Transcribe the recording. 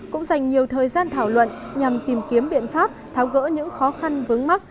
cũng dành nhiều thời gian thảo luận nhằm tìm kiếm biện pháp tháo gỡ những khó khăn vướng mắt